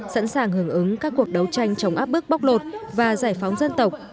sẵn sàng hưởng ứng các cuộc đấu tranh chống áp bức bóc lột và giải phóng dân tộc